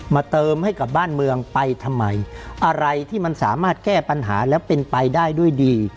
เติมให้กับบ้านเมืองไปทำไมอะไรที่มันสามารถแก้ปัญหาแล้วเป็นไปได้ด้วยดี